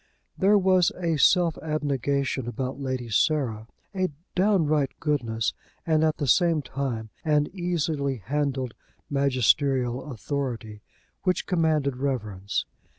There was a self abnegation about Lady Sarah, a downright goodness, and at the same time an easily handled magisterial authority, which commanded reverence.